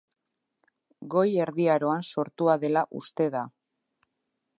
Goi Erdi Aroan sortua dela uste da.